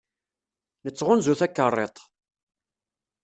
Nettɣunzu takerriḍt.